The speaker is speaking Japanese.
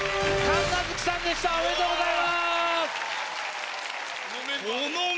おめでとうございます！